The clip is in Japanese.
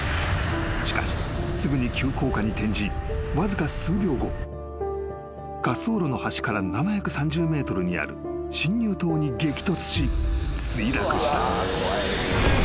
［しかしすぐに急降下に転じわずか数秒後滑走路の端から７３０ｍにある進入灯に激突し墜落した］